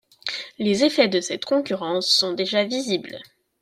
Les effets de cette concurrence sont déjà visibles.